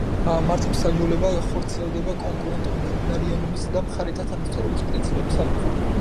მართლმსაჯულება ხორციელდება კონკურენტუნარიანობის და მხარეთა თანასწორობის პრინციპების საფუძველზე.